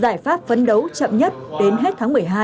giải pháp vấn đấu chậm nhất đến hết tháng một mươi hai